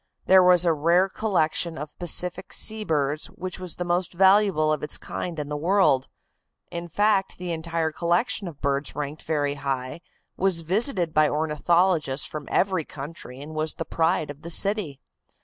There was a rare collection of Pacific Sea birds which was the most valuable of its kind in the world. In fact, the entire collection of birds ranked very high, was visited by ornithologists from every country, and was the pride of the city.